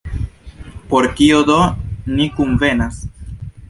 Por kio do ni kunvenas?